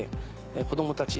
子供たち